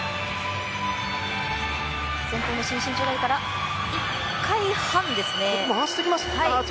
前方の伸身宙返りから１回半でした。